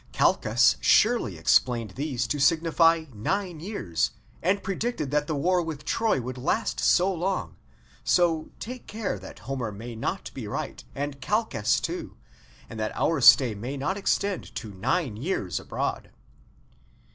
Calchas surely explained these to signify nine years and predicted that the war with Troy would last so long; so take care that Homer may not be right and Calchas, too, and that our stay may not extend to nine years abroad."